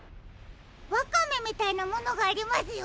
ワカメみたいなものがありますよ。